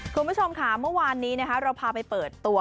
คุณผู้ชมค่ะเมื่อวานนี้เราพาไปเปิดตัว